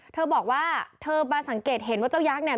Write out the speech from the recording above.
เธอบอกว่าเธอมาสังเกตเห็นว่าเจ้ายักษ์เนี่ย